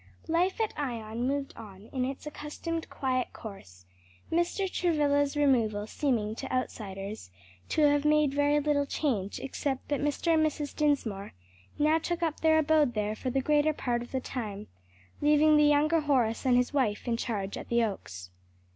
_ Life at Ion moved on in its accustomed quiet course, Mr. Travilla's removal seeming, to outsiders, to have made very little change except that Mr. and Mrs. Dinsmore now took up their abode there for the greater part of the time, leaving the younger Horace and his wife in charge at the Oaks.